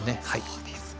そうですか。